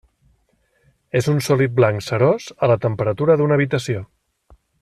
És un sòlid blanc cerós a la temperatura d'una habitació.